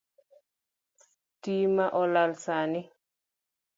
Stima olal sani